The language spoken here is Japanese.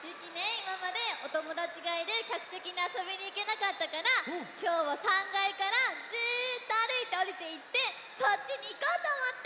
いままでおともだちがいるきゃくせきにあそびにいけなかったからきょうは３がいからずっとあるいておりていってそっちにいこうとおもって！